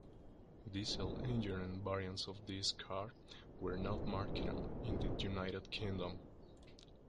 Diesel engined variants of this car were not marketed in the United Kingdom.